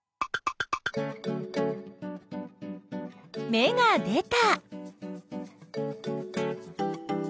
芽が出た！